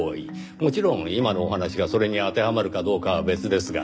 もちろん今のお話がそれに当てはまるかどうかは別ですがね。